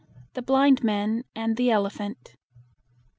THE BLIND MEN AND THE ELEPHANT.